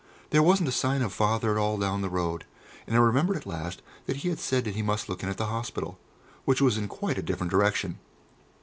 There wasn't a sign of Father all down the road, and I remembered at last that he had said he must look in at the Hospital, which was in quite a different direction.